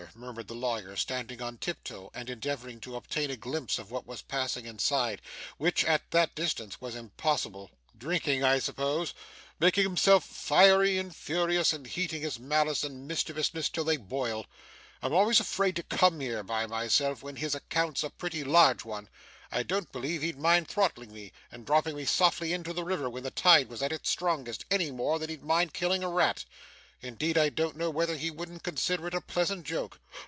murmured the lawyer, standing on tiptoe, and endeavouring to obtain a glimpse of what was passing inside, which at that distance was impossible 'drinking, I suppose, making himself more fiery and furious, and heating his malice and mischievousness till they boil. I'm always afraid to come here by myself, when his account's a pretty large one. I don't believe he'd mind throttling me, and dropping me softly into the river when the tide was at its strongest, any more than he'd mind killing a rat indeed I don't know whether he wouldn't consider it a pleasant joke.